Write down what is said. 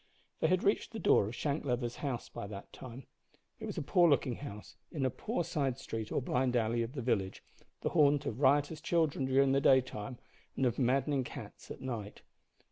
They had reached the door of Shank Leather's house by that time. It was a poor looking house, in a poor side street or blind alley of the village, the haunt of riotous children during the day time, and of maddening cats at night.